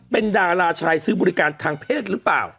เป็นดาราชายซื้อบริการทางเพศหรือเปล่า